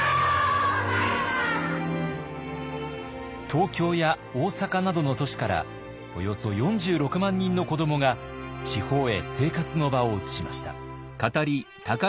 東京や大阪などの都市からおよそ４６万人の子どもが地方へ生活の場を移しました。